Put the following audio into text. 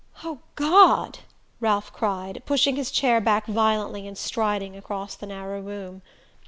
"Oh, God " Ralph cried, pushing his chair back violently and striding across the narrow room.